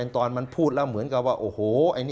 ตอนมันพูดแล้วเหมือนกับว่าโอ้โห